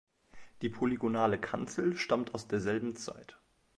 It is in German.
Die polygonale Kanzel stammt aus derselben Zeit.